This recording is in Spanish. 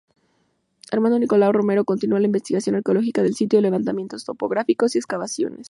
Armando Nicolau Romero, continúa la investigación arqueológica del sitio, levantamientos topográficos y excavaciones.